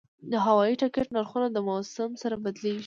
د هوایي ټکټ نرخونه د موسم سره بدلېږي.